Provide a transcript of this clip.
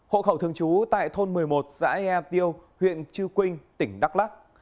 hộ khẩu thường trú tại thôn một mươi một xã ea tiêu huyện chư quynh tỉnh đắk lắc